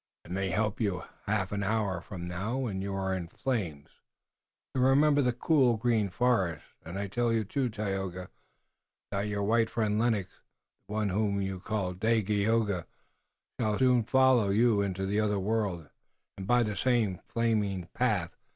It may help you a half hour from now, when you are in the flames, to remember the cool, green forest. And I tell you, too, Tayoga, that your white friend Lennox, the one whom you call Dagaeoga, shall soon follow you into the other world and by the same flaming path.